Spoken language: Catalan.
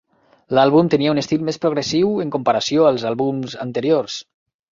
L'àlbum tenia un estil més progressiu en comparació als àlbums anteriors.